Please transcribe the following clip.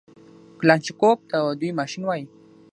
کلاشينکوف ته دوى ماشين وايي.